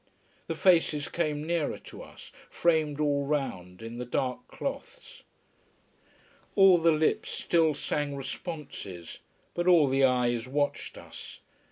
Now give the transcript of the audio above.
The faces came nearer to us, framed all round in the dark cloths. All the lips still sang responses, but all the eyes watched us.